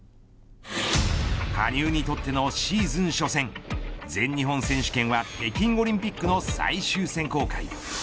羽生にとってのシーズン初戦全日本選手権は北京オリンピックの最終選考会。